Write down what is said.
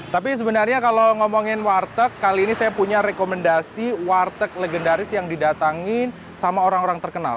tapi sebenarnya kalau ngomongin warteg kali ini saya punya rekomendasi warteg legendaris yang didatangi sama orang orang terkenal